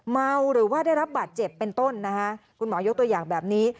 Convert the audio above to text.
เมาหรือว่าได้รับบาดเจ็บเป็นต้นนะคะคุณหมอยกตัวอย่างแบบนี้